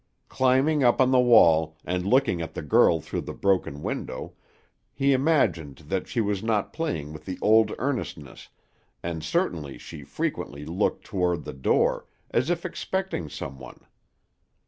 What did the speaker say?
Climbing up on the wall, and looking at the girl through the broken window, he imagined that she was not playing with the old earnestness, and certainly she frequently looked toward the door, as if expecting someone.